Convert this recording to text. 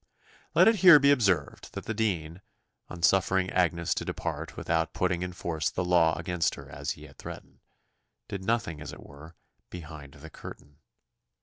Let it here be observed that the dean, on suffering Agnes to depart without putting in force the law against her as he had threatened, did nothing, as it were, behind the curtain.